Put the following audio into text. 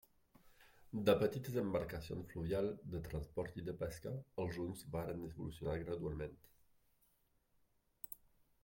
De petites embarcacions fluvials de transport i de pesca els juncs varen evolucionar gradualment.